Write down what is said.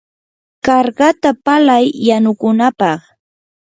karkata palay yanukunapaq.